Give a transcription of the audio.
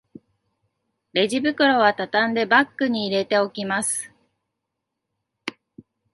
レジ袋はたたんでバッグに入れておきます